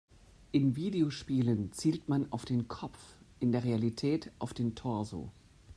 In Videospielen zielt man auf den Kopf, in der Realität auf den Torso.